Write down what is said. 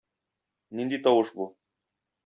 Нинди тавыш бу?